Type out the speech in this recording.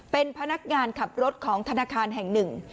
เป็นพนักงานขับรถของธนาคารแห่งหนึ่ง